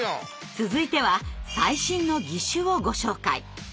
続いては最新の義手をご紹介。